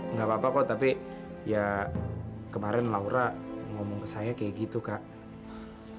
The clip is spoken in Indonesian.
nggak apa apa kok tapi ya kemarin laura ngomong ke saya kayak gitu kak